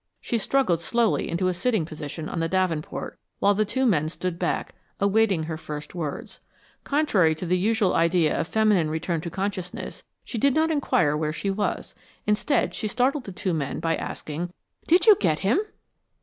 She struggled slowly into a sitting position on the davenport while the two men stood back, awaiting her first words. Contrary to the usual idea of feminine return to consciousness, she did not inquire where she was. Instead she startled the two men by asking, "Did you get him?"